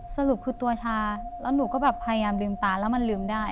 สรุปคือตัวชาแล้วหนูก็แบบพยายามลืมตาแล้วมันลืมได้